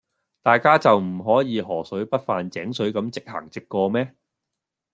大家就唔可以河水不犯井水咁直行直過咩?